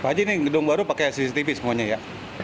pak haji ini gedung baru pakai cctv semuanya ya